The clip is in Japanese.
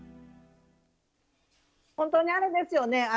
ほんとにあれですよね